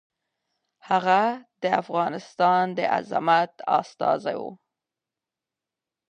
هغه د افغانستان د عظمت استازی و.